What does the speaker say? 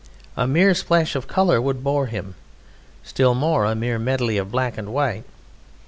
A mere splash of colour would bore him; still more a mere medley of black and white.